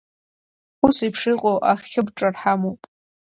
Ус еиԥш иҟоу ахьыбҿар ҳамоуп.